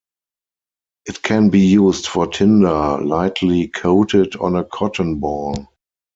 It can be used for tinder, lightly coated on a cotton ball.